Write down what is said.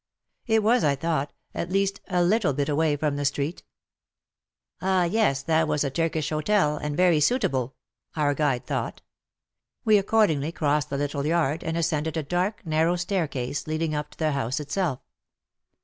It was, I thought, at least a little bit away from the street. "Ah! yes, that was a Turkish hotel, and very suitable," our guide thought. We accord ingly crossed the little yard and ascended a dark, narrow staircase leading up to the house itself.